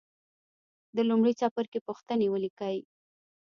د لومړي څپرکي پوښتنې ولیکئ.